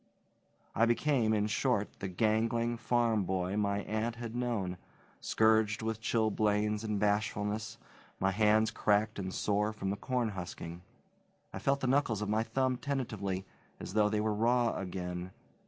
I became, in short, the gangling farm boy my aunt had known, scourged with chilblains and bashfulness, my hands cracked and sore from the corn husking. I felt the knuckles of my thumb tentatively, as though they were raw again.